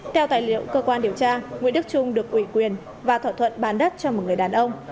theo tài liệu cơ quan điều tra nguyễn đức trung được ủy quyền và thỏa thuận bán đất cho một người đàn ông